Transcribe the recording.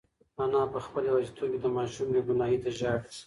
انا په خپل یوازیتوب کې د ماشوم بېګناهۍ ته ژاړي.